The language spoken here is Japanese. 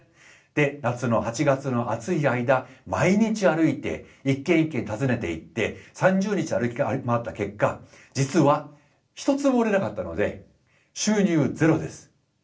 で夏の８月の暑い間毎日歩いて一軒一軒訪ねていって３０日歩き回った結果実は一つも売れなかったので収入ゼロです。